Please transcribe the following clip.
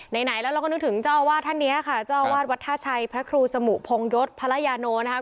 ไหนแล้วเราก็นึกถึงเจ้าอาวาสท่านนี้ค่ะเจ้าอาวาสวัดท่าชัยพระครูสมุพงยศพภรรยาโนนะครับ